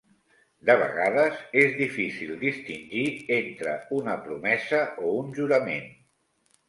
De vegades és difícil distingir entre una promesa o un jurament.